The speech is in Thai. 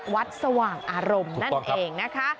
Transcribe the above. สว่างอารมณ์นั่นเองนะคะ